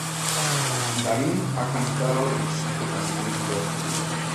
Darin ha cantado y escrito canciones toda su vida.